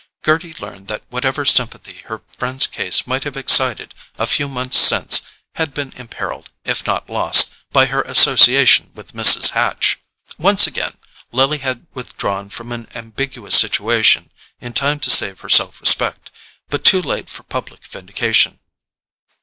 Gerty learned that whatever sympathy her friend's case might have excited a few months since had been imperilled, if not lost, by her association with Mrs. Hatch. Once again, Lily had withdrawn from an ambiguous situation in time to save her self respect, but too late for public vindication.